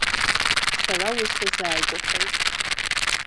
Сара уи сазааигәахон.